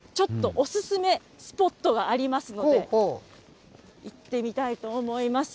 ちょっとお勧めスポットがありますので、行ってみたいと思います。